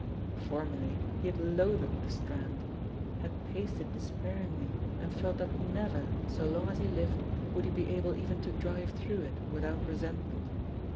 Formerly he had loathed the Strand; had paced it despairingly and felt that never, so long as he lived, would he be able even to drive through it without resentment.